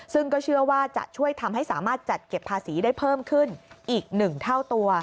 ซึ่งก็เชื่อว่าจะช่วยทำให้สามารถจัดเก็บภาษีได้เพิ่มขึ้นอีก๑เท่าตัว